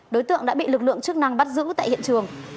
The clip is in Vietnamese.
đối tượng đã bị lực lượng chức năng bắt giữ tại hiện trường